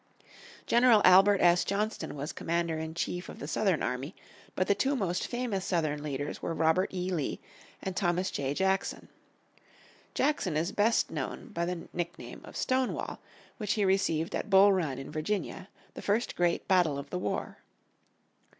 General Albert S. Johnston was commander in chief of the Southern army by the two most famous Southern leaders were Robert E. Lee and Thomas J. Jackson. Jackson is best known by the nickname of Stonewall, which he received at Bull Run in West Virginia, the first great battle of the war.